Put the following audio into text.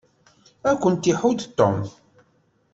Ad kent-iḥudd Tom.